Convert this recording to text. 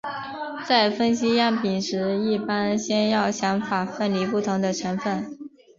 在分析样品时一般先要想法分离不同的成分。